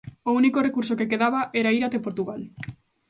O único recurso que quedaba era ir até Portugal.